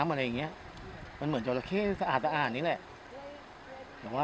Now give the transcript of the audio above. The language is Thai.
มันเหมือนเจาะราแข้อ่านนี้แหละ